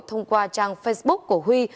thông qua trang facebook của huy